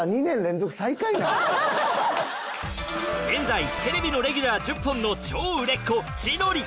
現在テレビのレギュラー１０本の超売れっ子千鳥！